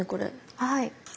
はい。